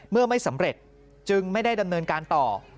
เมื่อไม่สำเร็จจึงไม่ได้ดำเนินการต่อ